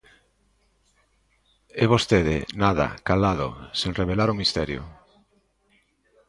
E vostede, nada, calado, sen revelar o misterio.